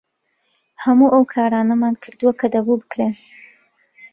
هەموو ئەو کارانەمان کردووە کە دەبوو بکرێن.